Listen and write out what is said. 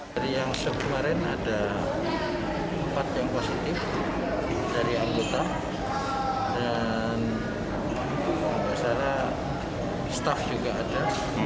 dari yang sekemarin ada empat yang positif dari anggota dan setelah itu staff juga ada tiga